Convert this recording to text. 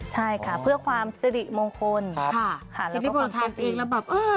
ใช่ค่ะเพื่อความสิริมงคลค่ะค่ะแล้วนี่พอทานเองแล้วแบบเออ